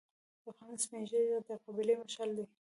د افغان سپین ږیری د قبیلې مشعل دی.